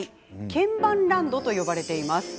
鍵盤ランドと呼ばれています。